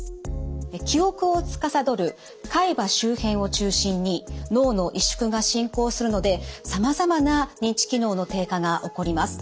記憶をつかさどる海馬周辺を中心に脳の萎縮が進行するのでさまざまな認知機能の低下が起こります。